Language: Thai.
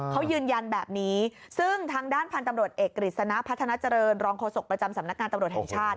เขายืนยันแบบนี้ซึ่งทางด้านพันธุ์ตำรวจเอกกฤษณะพัฒนาเจริญรองโฆษกประจำสำนักงานตำรวจแห่งชาติ